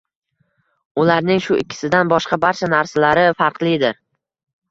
Ularning shu ikkisidan boshqa barcha narsalari farqlidir.